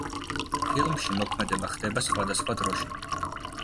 ფილმში მოქმედება ხდება სხვადასხვა დროში.